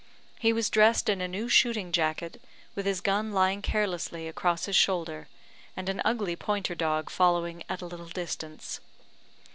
He was dressed in a new shooting jacket, with his gun lying carelessly across his shoulder, and an ugly pointer dog following at a little distance.